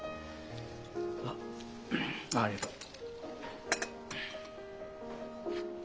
あっありがとう。